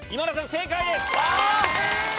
正解です！